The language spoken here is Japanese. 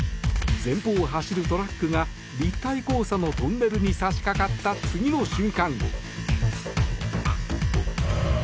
前方を走るトラックが立体交差のトンネルに差しかかった次の瞬間。